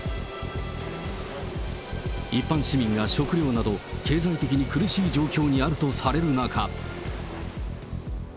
一般市民が食料など、経済的に苦しい状況にあるとされる中。